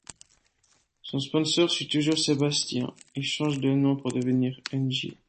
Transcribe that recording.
Son sponsor suit toujours Sébastien et change de nom pour devenir Engie.